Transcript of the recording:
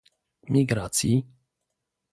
Migracji